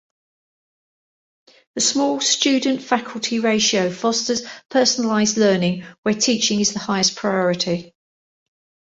The small student-faculty ratio fosters personalized learning, where teaching is the highest priority.